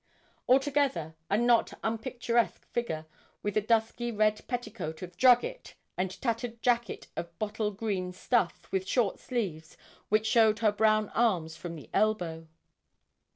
Altogether a not unpicturesque figure, with a dusky, red petticoat of drugget, and tattered jacket of bottle green stuff, with short sleeves, which showed her brown arms from the elbow.